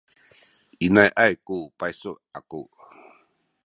inayay ku paysu aku.